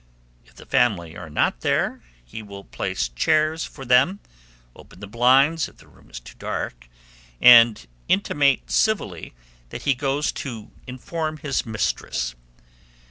If the family are not there, he will place chairs for them, open the blinds (if the room is too dark), and intimate civilly that he goes to inform his mistress.